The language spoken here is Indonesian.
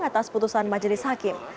atas putusan majelis hakim